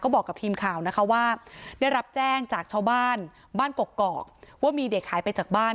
บอกกับทีมข่าวนะคะว่าได้รับแจ้งจากชาวบ้านบ้านกกอกว่ามีเด็กหายไปจากบ้าน